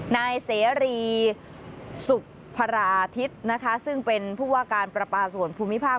นายเสรีสุพราธิตนะคะซึ่งเป็นผู้ว่าการประปาส่วนภูมิภาค